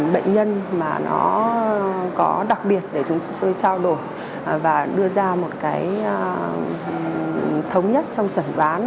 bệnh nhân mà nó có đặc biệt để chúng tôi trao đổi và đưa ra một cái thống nhất trong trần đoán